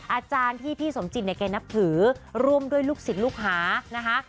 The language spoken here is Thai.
อาจารย์ที่พี่สมจิตในการนับผือรวมด้วยลูกสิทธิ์ลูกหานะคะ